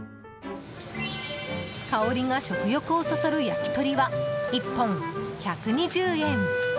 香りが食欲をそそる焼き鳥は１本１２０円。